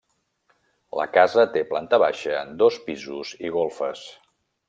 La casa té planta baixa, dos pisos i golfes.